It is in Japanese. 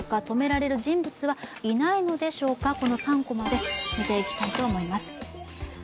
止められる人物はいないのでしょうか。